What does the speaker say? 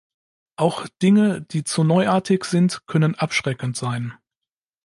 Auch Dinge, die zu neuartig sind, können abschreckend sein.